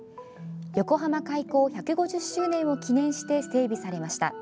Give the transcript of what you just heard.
横浜開港１５０周年を記念して整備されました。